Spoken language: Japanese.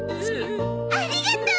ありがとう！